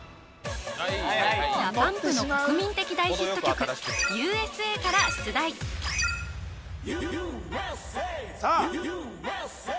ＤＡＰＵＭＰの国民的大ヒット曲「Ｕ．Ｓ．Ａ．」から出題さあ！